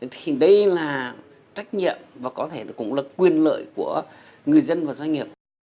thì đây là trách nhiệm và có thể cũng là quyền lợi của người dân và doanh nghiệp